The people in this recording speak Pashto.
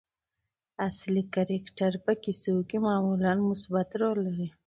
اصلي کرکټر په کیسو کښي معمولآ مثبت رول لري.